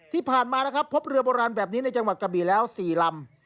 ที่ผ่านมานะครับพบเรือโบราณแบบนี้ในจังหวัดกะบี่แล้ว๔ลำ